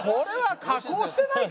加工してないか？